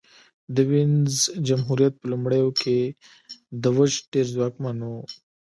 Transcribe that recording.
د وینز جمهوریت په لومړیو کې دوج ډېر ځواکمن و